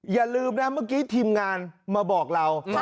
อย่าลืมนะเมื่อกี้ทีมงานมาบอกเรา